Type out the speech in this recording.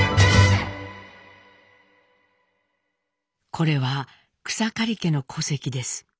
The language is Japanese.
これは草刈家の戸籍です。